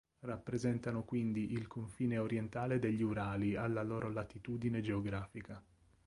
Rappresentano quindi il confine orientale degli Urali alla loro latitudine geografica.